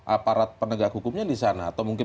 aparat penegak hukumnya di sana atau mungkin